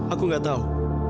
aku nggak tahu